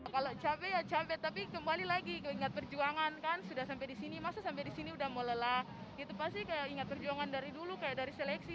kalau capek ya capek tapi kembali lagi keingat perjuangan kan sudah sampai di sini masa sampai di sini udah mau lelah itu pasti kayak ingat perjuangan dari dulu kayak dari seleksi